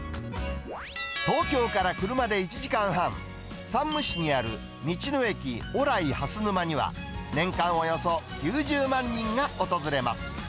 東京から車で１時間半、山武市にある道の駅オライはすぬまには、年間およそ９０万人が訪れます。